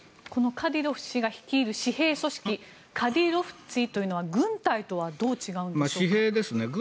カディロフ氏が率いる私兵組織カディロフツィというのは軍隊とはどう違うんでしょうか。